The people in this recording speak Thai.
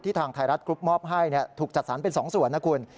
ทางไทยรัฐกรุ๊ปมอบให้ถูกจัดสรรเป็น๒ส่วนนะคุณ